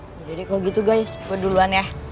yaudah deh kalo gitu guys gue duluan ya